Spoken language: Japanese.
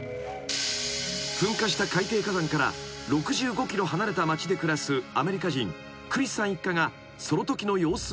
［噴火した海底火山から６５ｋｍ離れた町で暮らすアメリカ人クリスさん一家がそのときの様子を捉えていた］